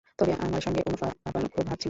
তবে আমার সঙ্গে অনুফা আপার খুব ভাব ছিল।